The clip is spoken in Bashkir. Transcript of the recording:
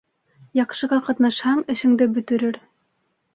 Яҡшыға ҡатнашһаң, эшеңде бөтөрөр.